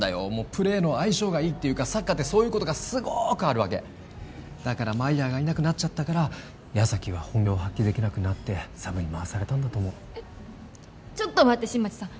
プレーの相性がいいっていうかサッカーってそういうことがすごーくあるわけだからマイヤーがいなくなっちゃったから矢崎は本領発揮できなくなってサブに回されたんだと思うちょっと待って新町さん